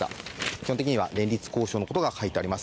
基本的には連立交渉についてかいていあります。